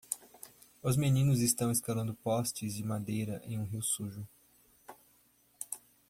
Os meninos estão escalando postes de madeira em um rio sujo.